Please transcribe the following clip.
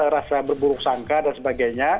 rasa berburuk sangka dan sebagainya